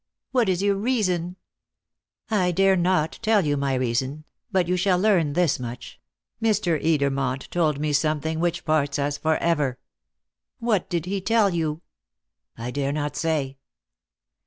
What is your reason?" "I dare not tell you my reason; but you shall learn this much: Mr. Edermont told me something which parts us for ever." "What did he tell you?" "I dare not say."